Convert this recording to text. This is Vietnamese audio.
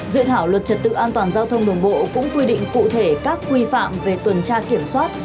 dự thảo luật trật tự an toàn giao thông đường bộ cũng quy định cụ thể các quy phạm về tuần tra kiểm soát